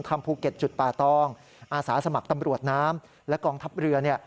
ภูเก็ตจุดป่าตองอาสาสมัครตำรวจน้ำและกองทัพเรือเนี่ย